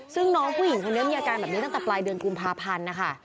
ซึ่งน้องผู้หญิงคนนี้มีอาการแบบนี้ตั้งแต่ปลายเดือนกุมภาพันธ์นะคะ